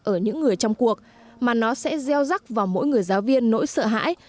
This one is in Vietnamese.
ở những người trong cuộc mà nó sẽ gieo rắc vào mỗi người giáo viên nỗi sợ hãi